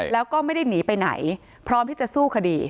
แล้วก็ไม่ได้หนีไปไหนพร้อมที่จะสู้คดี